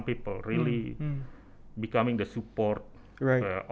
benar benar menjadi sokongan perangkat perangkat